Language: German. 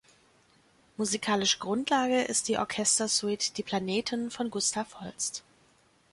Musikalische Grundlage ist die Orchestersuite Die Planeten von Gustav Holst.